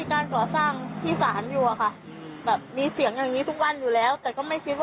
พอเรามารู้ว่าเป็นเสียงยิงกันอยู่ตอนไหน